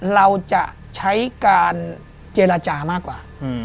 เราจะใช้การเจรจามากกว่า